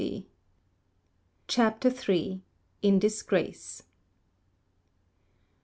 CHAPTER III. IN DISGRACE.